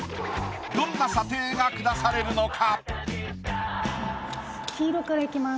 どんな査定が下されるのか？